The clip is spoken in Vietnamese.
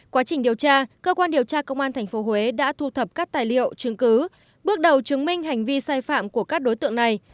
quá trình điều tra cơ quan điều tra công an tp huế đã thu thập các tài liệu chứng cứ bước đầu chứng minh hành vi sai phạm của các đối tượng này